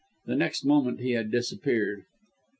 The next moment he had disappeared.